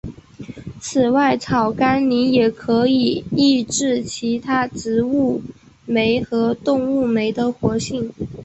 此外草甘膦也可以抑制其他植物酶和动物酶的活性。